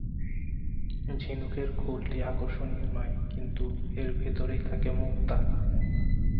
ঝিনুকের খোলটি আকর্ষণীয় নয়, কিন্তু এর ভিতরেই থাকে মুক্তা।